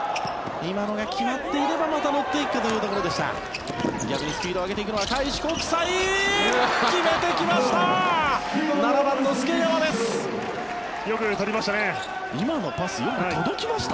今のが決まっていればまた行くかというところでした。